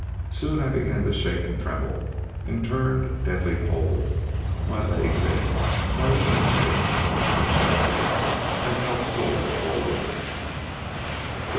Soon I began to shake and tremble, and turned deadly cold; my legs ached, my loins ached, and my chest ached, and I felt sore all over.